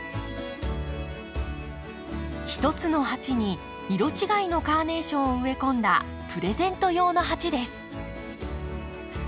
一つの鉢に色違いのカーネーションを植え込んだプレゼント用の鉢です。